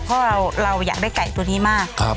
เพราะเราอยากได้ไก่ตัวนี้มาก